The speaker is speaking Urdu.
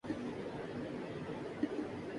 مارنا دوست کا بھی جس میں روا ہے لوگو